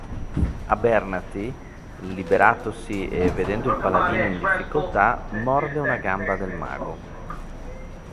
Abernathy, liberatosi e vedendo il Paladino in difficoltà, morde una gamba del mago.